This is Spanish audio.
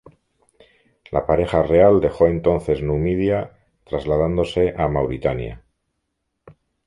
La pareja real dejó entonces Numidia, trasladándose a Mauritania.